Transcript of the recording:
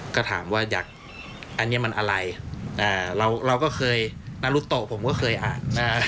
ก็ถามว่าอยากอันนี้มันอะไรเราก็เคยนารุโตผมก็เคยอ่านนะ